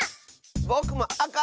ぼくもあか！